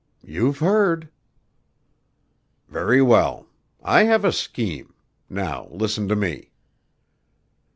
"You've heard." "Very well; I have a scheme. Now listen to me."